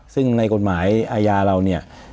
ซึ่งในกฎหมายอาญาเราเนี่ย